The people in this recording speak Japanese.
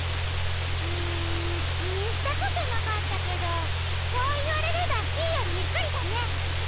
うんきにしたことなかったけどそういわれればキイよりゆっくりだね。